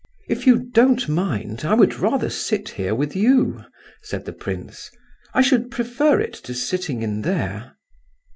"If you don't mind, I would rather sit here with you," said the prince; "I should prefer it to sitting in there."